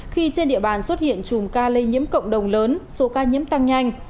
khi trên địa bàn xuất hiện chùm ca lây nhiễm cộng đồng lớn số ca nhiễm tăng nhanh